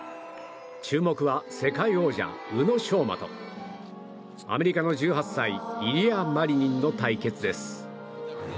注目は世界王者・宇野昌磨とアメリカの１８歳イリア・マリニンの対決です。